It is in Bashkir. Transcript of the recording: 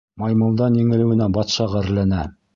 Маймылдан еңелеүенә батша ғәрләнә.